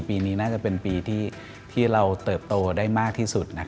ปีนี้น่าจะเป็นปีที่เราเติบโตได้มากที่สุด